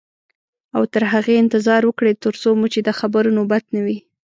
او تر هغې انتظار وکړئ تر څو مو چې د خبرو نوبت نه وي.